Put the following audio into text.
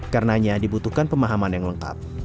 karenanya dibutuhkan pemahaman yang lengkap